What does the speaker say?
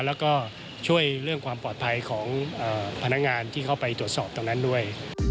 แล้วก็ช่วยเรื่องความปลอดภัยของพนักงานที่เข้าไปตรวจสอบตรงนั้นด้วย